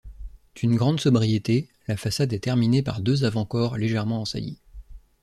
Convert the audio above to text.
D'une grande sobriété, la façade est terminée par deux avant-corps légèrement en saillie.